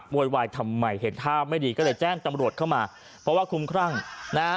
เววดวัยทำไมเห็กท่าไม่ดีก็เลยแจ้งตำรวจเข้ามา